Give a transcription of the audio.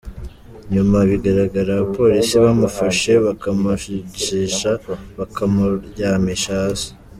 Nyuma bigaragara abapolisi bamufashe bakamujisha, bakamuryamisha hasi.